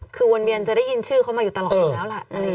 คือวนเวียนจะได้ยินชื่อเขามาอยู่ตลอดอยู่แล้วล่ะ